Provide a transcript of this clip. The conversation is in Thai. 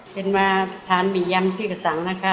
เชิญมาทานมียำที่กระสั่งนะคะ